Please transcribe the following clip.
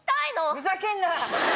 ふざけんな！